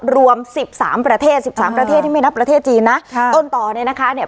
รวมสิบสามประเทศสิบสามประเทศที่ไม่นับประเทศจีนนะค่ะต้นต่อเนี่ยนะคะเนี่ย